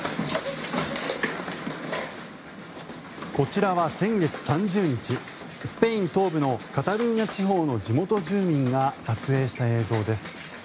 こちらは先月３０日スペイン東部のカタルーニャ地方の地元住民が撮影した映像です。